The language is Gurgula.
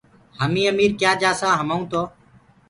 همينٚ اميٚر ڪِيآنٚ جآسآنٚ همآئونٚ تو